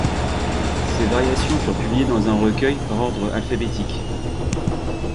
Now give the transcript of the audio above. Ces variations furent publiées dans un recueil, par ordre alphabétique.